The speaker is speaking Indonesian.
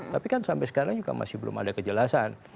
tapi kan sampai sekarang juga masih belum ada kejelasan